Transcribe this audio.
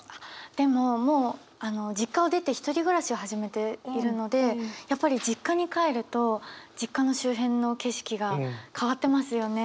でももう実家を出て１人暮らしを始めているのでやっぱり実家に帰ると実家の周辺の景色が変わってますよね。